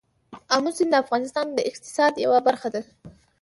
آمو سیند د افغانستان د اقتصاد یوه برخه ده.